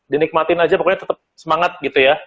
dinikmatin aja pokoknya tetap semangat gitu ya